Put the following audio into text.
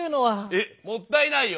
えっもったいないよ。